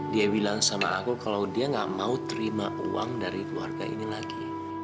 dia bilang sama aku kalau dia gak mau terima uang dari keluarga ini lagi